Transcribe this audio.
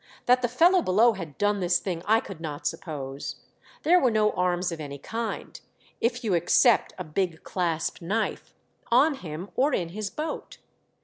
That the fellow below had done this thing I could not suppose. There were no arms of any kind — if you except a big clasp knife — on him or in his boat.